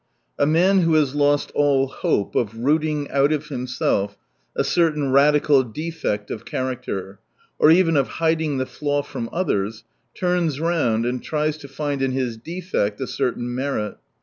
— A. man who has lost all hope of rooting out of himself a certain radical defect of character, or even of hiding the flaw from others, turns round and tries to find in his defect a pertain merit.